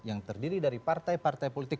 yang terdiri dari partai partai politik